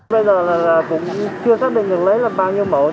bây giờ cũng chưa xác định được lấy bao nhiêu mẫu